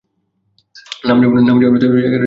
নাম যেমন অদ্ভুত, জায়গাও তেমন জঙ্গুলে।